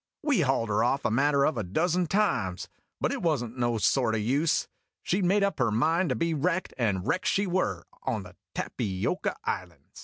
We hauled her off a matter of a dozen times, but it was n't no sort o' use. She 'cl made up her mind to be wrecked and wrecked she were, on the Tapioca Islands."